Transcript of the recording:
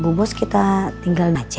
bu bos kita tinggal di sini ya